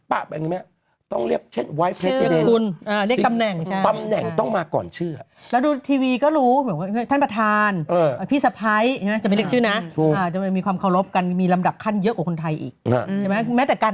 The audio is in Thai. แล้วเลือกเลยข้าวและกลับกลับกลับตอนไหน